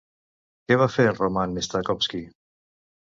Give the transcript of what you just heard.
Què va fer Roman Statkowski?